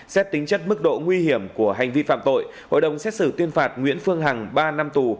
xét tính chất mức độ nguy hiểm của hành vi phạm tội hội đồng xét xử tuyên phạt nguyễn phương hằng ba năm tù